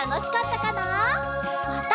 また。